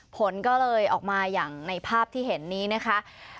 ผลก็เลยออกมาอย่างในภาพที่เห็นนี้นะคะ